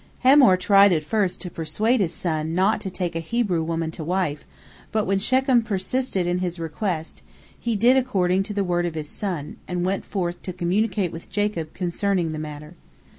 Hamor tried at first to persuade his son not to take a Hebrew woman to wife, but when Shechem persisted in his request, he did according to the word of his son, and went forth to communicate with Jacob concerning the matter.